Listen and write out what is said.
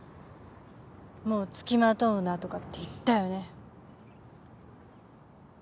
もう付きまとうなとかって言ったよね。